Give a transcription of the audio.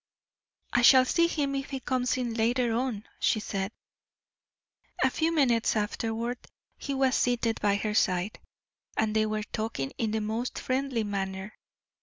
"I shall see him if he comes in later on," she said. A few minutes afterward he was seated by her side, and they were talking in the most friendly manner.